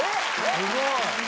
すごい。